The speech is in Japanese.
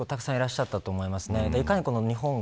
おそらく、たくさんいらっしゃったと思いますね。